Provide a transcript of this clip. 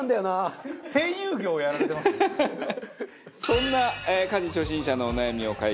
そんな家事初心者のお悩みを解決。